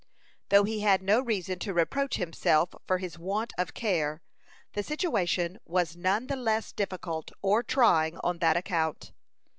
Though he had no reason to reproach himself for his want of care, the situation was none the less difficult or trying on that account.